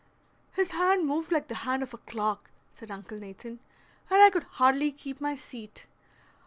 "His hand moved like the hand of a clock," said Uncle Nathan, "and I could hardly keep my seat.